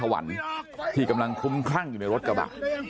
เพราะต้องมาชาร์จจับกลุ่มตัวนายถวัลที่กำลังคุ้มครั่งอยู่ในรถกระบะ